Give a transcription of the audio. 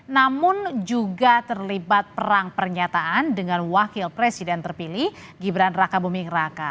namun juga terlibat perang pernyataan dengan wakil presiden terpilih gibran raka buming raka